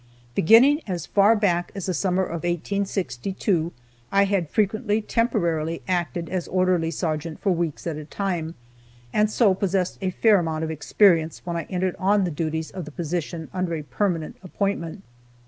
Beginning as far back as the summer of 1862, I had frequently temporarily acted as orderly sergeant, for weeks at a time, and so possessed a fair amount of experience when I entered on the duties of the position under a permanent appointment.